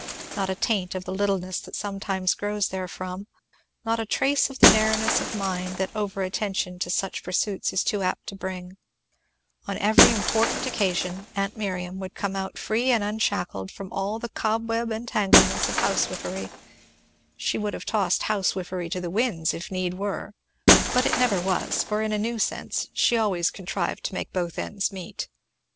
Not a taint of the littleness that sometimes grows therefrom, not a trace of the narrowness of mind that over attention to such pursuits is too apt to bring; on every important occasion aunt Miriam would come out free and unshackled from all the cobweb entanglements of housewifery; she would have tossed housewifery to the winds if need were (but it never was, for in a new sense she always contrived to make both ends meet).